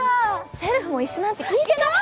せるふも一緒なんて聞いてない。